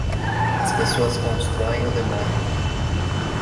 As pessoas constroem ou demolem.